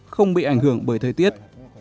không bị ảnh hưởng bởi thời tiết